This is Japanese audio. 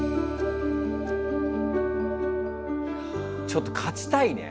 ちょっと勝ちたいね。